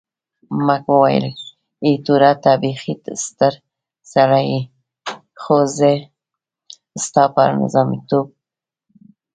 مک وویل، ایټوره ته بیخي ستر سړی یې، خو زه ستا پر نظامیتوب بیریږم.